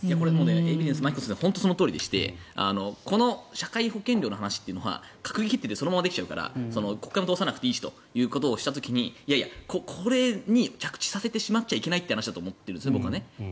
エビデンスまさにそのとおりでして社会保険料の話というのは閣議決定でそのままできちゃうから国会も通さなくていいしとした時にいやいや、これに着地させてしまっちゃいけないという話だと僕は思います。